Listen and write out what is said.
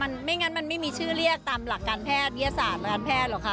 ไม่ค่ะไม่งั้นมันไม่มีชื่อเรียกตามหลักการแพทย์วิทยาศาสตร์หรอกค่ะ